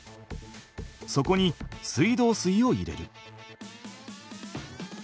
そこに水道水を入れる。